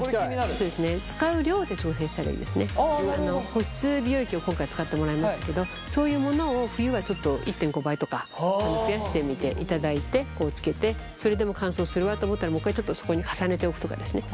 保湿美容液を今回使ってもらいましたけどそういうものを冬はちょっと１．５倍とか増やしてみていただいてつけてそれでも乾燥するわと思ったらもう一回ちょっとそこに重ねておくとかですね